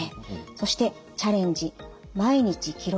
そして「チャレンジ」「毎日記録しよう」。